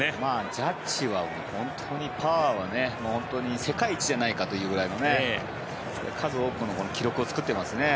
ジャッジは本当にパワーは世界一じゃないかというぐらいの数多くの記録を作っていますね。